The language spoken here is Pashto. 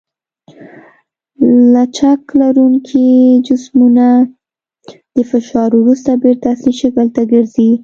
لچک لرونکي جسمونه د فشار وروسته بېرته اصلي شکل ته ګرځي.